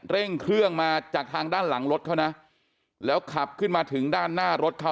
เร่งเครื่องมาจากทางด้านหลังรถเขานะแล้วขับขึ้นมาถึงด้านหน้ารถเขา